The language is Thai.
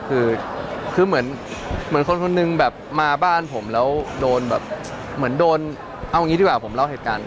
คือเหมือนคนคนนึงมาบ้านผมแล้วโดนเอาอย่างงี้ดีกว่าผมเล่าเหตุการณ์